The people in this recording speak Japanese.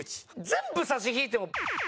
全部差し引いても。